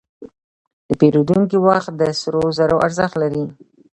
د پیرودونکي وخت د سرو زرو ارزښت لري.